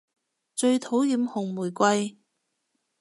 最討厭紅玫瑰